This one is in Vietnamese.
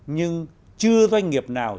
nhưng chưa doanh nghiệp nào